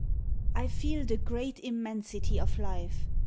I feel the great immensity of life.